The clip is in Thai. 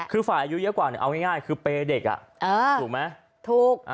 คือฝ่ายอายุเยอะกว่าให้ง่ายคือเปรอะเด็ก